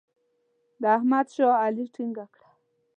د احمد شا علي ټینګه کړه.